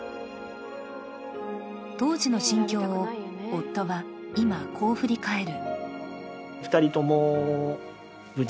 当時の心境を夫は今、こう振り返る。